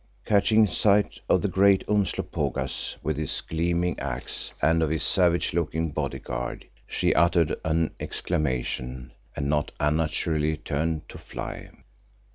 Catching sight of the great Umslopogaas with his gleaming axe and of his savage looking bodyguard, she uttered an exclamation and not unnaturally turned to fly.